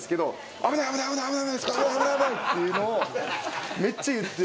僕。っていうのをめっちゃ言ってきて。